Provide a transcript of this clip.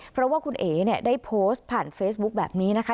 เพราะว่าคุณเอ๋เนี่ยได้โพสต์ผ่านเฟซบุ๊คแบบนี้นะคะ